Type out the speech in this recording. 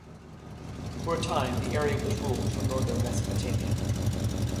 For a time, the area was ruled from northern Mesopotamia.